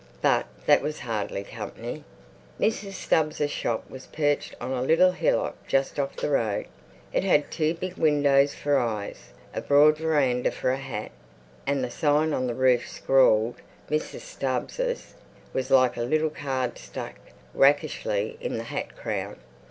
But that was hardly company. Mrs. Stubbs's shop was perched on a little hillock just off the road. It had two big windows for eyes, a broad veranda for a hat, and the sign on the roof, scrawled MRS. STUBBS'S, was like a little card stuck rakishly in the hat crown.